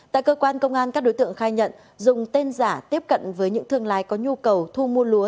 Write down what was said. tại cơ quan công an các đối tượng khai nhận dùng tên giả tiếp cận với những thương lái có nhu cầu thu mua lúa